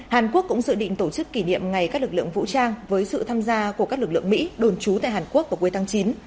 hàn quốc cũng dự định tổ chức kỷ niệm ngày các lực lượng vũ trang với sự tham gia của các lực lượng mỹ đồn trú tại hàn quốc vào cuối tháng chín